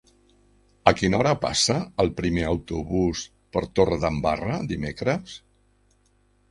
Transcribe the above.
A quina hora passa el primer autobús per Torredembarra dimecres?